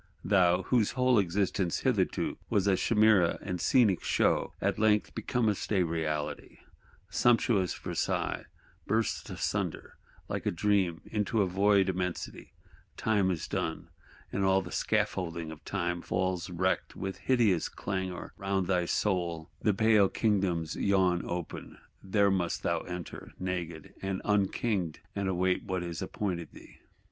Thou, whose whole existence hitherto was a chimera and scenic show, at length becomest a reality: sumptuous Versailles bursts asunder, like a dream, into void Immensity; Time is done, and all the scaffolding of Time falls wrecked with hideous clangour round thy soul: the pale Kingdoms yawn open; there must thou enter, naked, all unking'd, and await what is appointed thee!